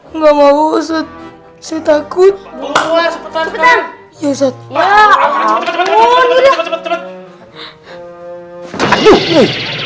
enggak mau set setakut muas betul betul ya